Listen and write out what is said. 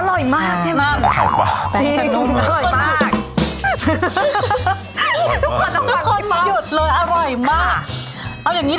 น้องคนหยุดต้องใช้